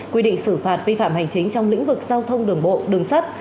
quy định xử phạt vi phạm hành chính trong lĩnh vực giao thông đường bộ đường sắt